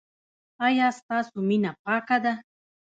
ایا ستاسو مینه پاکه ده؟